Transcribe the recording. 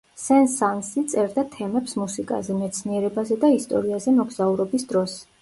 სენ-სანსი წერდა თემებს მუსიკაზე, მეცნიერებაზე და ისტორიაზე მოგზაურობის დროს.